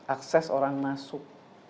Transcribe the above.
akses orang masuk